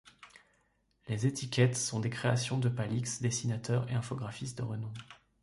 Les étiquettes sont des créations de Palix, dessinateur et infographiste de renom.